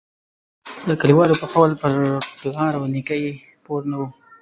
د کلیوالو په قول پر پلار او نیکه یې پور نه وو.